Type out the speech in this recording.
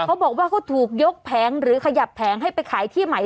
เขาบอกว่าเขาถูกยกแผงหรือขยับแผงให้ไปขายที่ใหม่